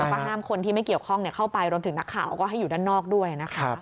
แล้วก็ห้ามคนที่ไม่เกี่ยวข้องเข้าไปรวมถึงนักข่าวก็ให้อยู่ด้านนอกด้วยนะคะ